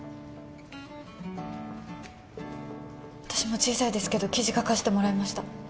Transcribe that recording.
私も小さいですけど記事書かせてもらいました